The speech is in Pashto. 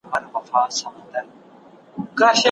عاقبت به یې په غوښو تود تنور وي